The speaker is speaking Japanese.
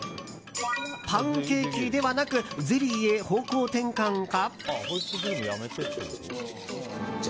パンケーキではなくゼリーへ方向転換か。